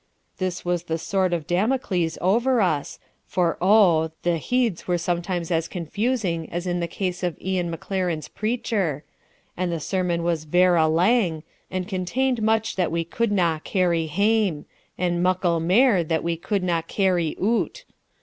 This was the sword of Damocles over us, for oh! the 'heids' were sometimes as confusing as in the case of Ian Maclaren's preacher; and the sermon was vera lang, and contained much that we couldna carry hame, and muckle mair that we couldna carry oot.